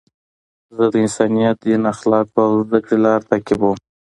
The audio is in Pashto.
زه د انسانیت، دین، اخلاقو او زدهکړي لار تعقیبوم.